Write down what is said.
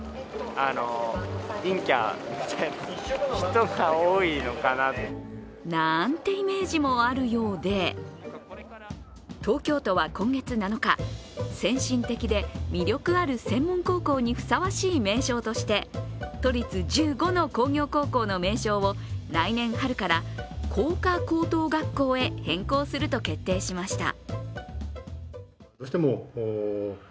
というのもなんてイメージもあるようで東京都は今月７日、先進的で魅力ある専門高校にふさわしい名称として、都立１５の工業高校の名称を来年春から工科高等学校へ変更すると決定しました。